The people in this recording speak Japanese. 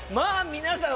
皆さん